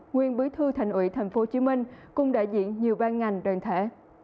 nguyên bí thư thành ủy tp hcm cùng đại diện nhiều ban ngành đoàn thể